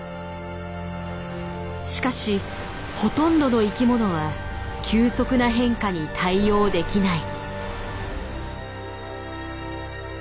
しかしほとんどの生きものは急速な変化に対応できない。